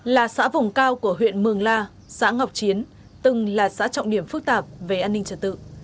là xã vùng cao của huyện mường la xã ngọc chiến từng là xã trọng điểm phức tạp về an ninh trật tự